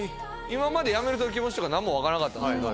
今まで辞める人の気持ちとか何も分からなかったんですけど。